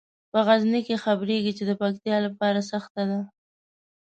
په غزني کې خبریږي چې د پکتیا لیاره سخته ده.